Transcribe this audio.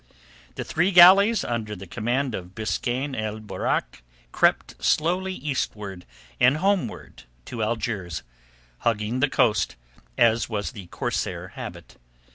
The three galleys under the command of Biskaine el Borak crept slowly eastward and homeward to Algiers, hugging the coast, as was the corsair habit.